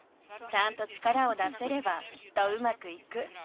ちゃんと力を出せればきっとうまくいく。